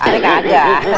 aneh gak ada